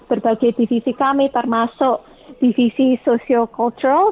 berbagai divisi kami termasuk divisi socio kultural